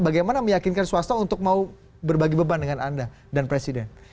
bagaimana meyakinkan swasta untuk mau berbagi beban dengan anda dan presiden